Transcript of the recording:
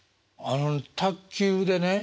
あの卓球でね